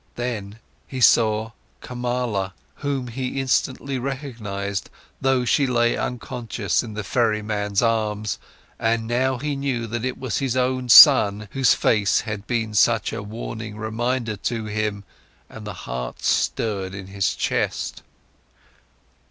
Then he saw Kamala, whom he instantly recognised, though she lay unconscious in the ferryman's arms, and now he knew that it was his own son, whose face had been such a warning reminder to him, and the heart stirred in his chest.